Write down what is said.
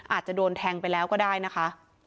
อาจจะโดนแทงไปแล้วก็ได้นะคะ